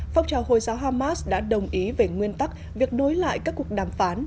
phong trào hồi giáo hamas đã đồng ý về nguyên tắc việc nối lại các cuộc đàm phán